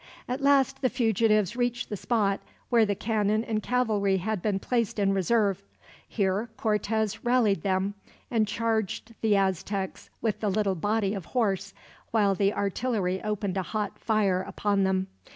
At last the fugitives reached the spot where the cannon and cavalry had been placed in reserve. Here Cortez rallied them, and charged the Aztecs with the little body of horse, while the artillery opened a hot fire upon them.